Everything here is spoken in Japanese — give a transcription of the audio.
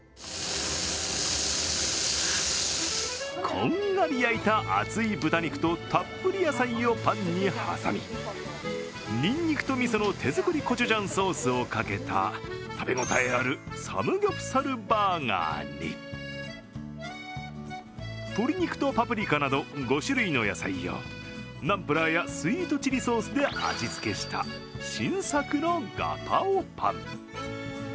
こんがり焼いた厚い豚肉とたっぷり野菜をパンに挟みにんにくとみその手作りコチュジャンソースをかけた食べ応えあるサムギョプサルバーガーに鶏肉とパプリカなど５種類の野菜をナンプラーやスイートチリソースで味付けした新作のガパオパン。